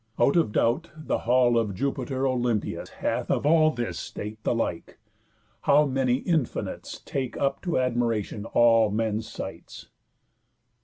Out of doubt, the hall Of Jupiter Olympius hath of all This state the like. How many infinites Take up to admiration all men's sights!"